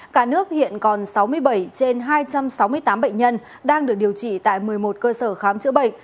cả nước hiện còn sáu mươi bảy trên hai trăm sáu mươi tám bệnh nhân đang được điều trị tại một mươi một cơ sở khám chữa bệnh